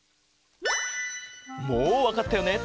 もうわかったよね？